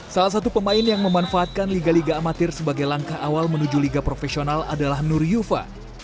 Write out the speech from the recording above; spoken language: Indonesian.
salah satu pemain yang memanfaatkan liga liga amatir sebagai langkah awal menuju liga profesional adalah nur yuva